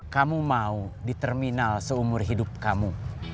kamu mau di terminal seumur hidup kamu